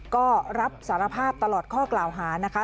ก็รับสารภาพตลอดข้อกล่าวหานะคะ